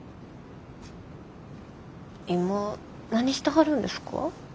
今何してはるんですか？